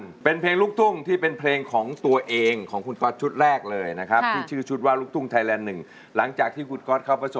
ร้องได้ในเพลงแรกแบบนี้ขอรับร้องหา๕๐๐๐บาท